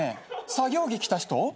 作業着着た人。